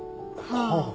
はあ。